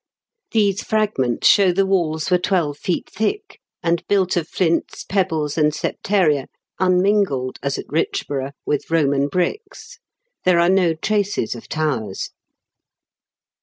These fragments show the walls were twelve feet thick, and built of flints, pebbles, and septaria, unmingled, as at Richborough, with Roman bricks. There are no traces of towers.